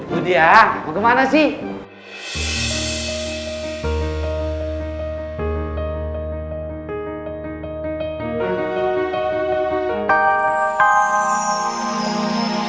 dulu pak permisi ya